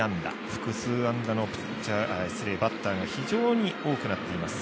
複数安打のバッターが非常に多くなっています